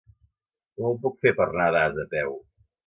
Com ho puc fer per anar a Das a peu?